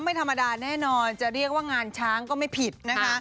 ไม่ธรรมดาแน่นอนจะเรียกว่างานช้างก็ไม่ผิดนะคะ